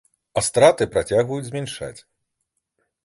А страты працягваюць змяншаць.